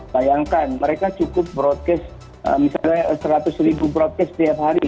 bayangkan mereka cukup broadcast misalnya seratus ribu broadcast setiap hari